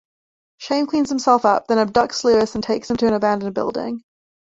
Shame cleans himself up, then abducts Luis and takes him to an abandoned building.